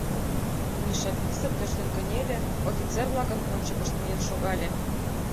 — Миша писын тӧрштен кынеле, офицер-влакын ончыкышт миен шогале.